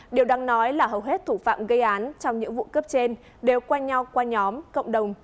điều đáng nói là hầu hết thủ phạm gây án trong những vụ cướp trên đều quen nhau qua nhóm cộng đồng